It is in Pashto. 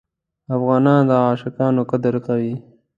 افغانان د عاشقانو قدر کوي.